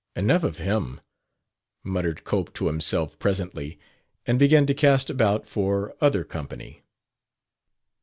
"Enough of him!" muttered Cope to himself presently, and began to cast about for other company.